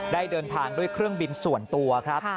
ได้เดินทางด้วยเครื่องบินส่วนตัวครับ